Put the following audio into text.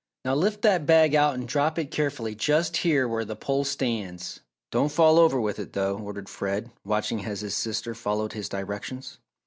"Now lift that bag out and drop it carefully just here where the pole stands don't fall over with it, though," ordered Fred, watching as his sister followed his directions.